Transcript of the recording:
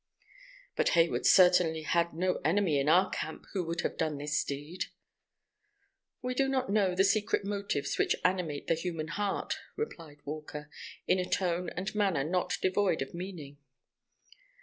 "But Hayward certainly had no enemy in our camp who would have done this deed." "We do not know the secret motives which animate the human heart," replied Walker, in a tone and manner not devoid of meaning.